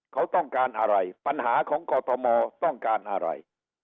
เขาต้องการอะไรปัญหาของกรทมต้องการอะไร